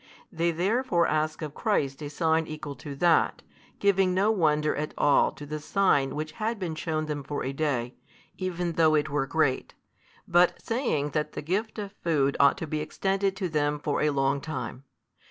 They therefore ask of |360 Christ a sign equal to that, giving no wonder at all to the sign which had been shewn them for a day, even though it were great, but saying that the gift of food ought to be extended to them for a long time.